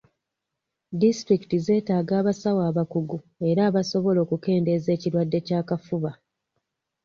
Disitulikiti zeetaga abasawo abakugu era abasobola okukendeeza ekirwadde ky'akafuba.